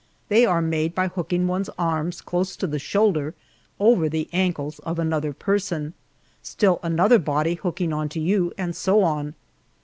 They are made by hooking one's arms close to the shoulder over the ankles of another person, still another body hooking on to you, and so on.